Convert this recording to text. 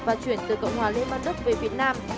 và chuyển từ cộng hòa lên bắc đức về việt nam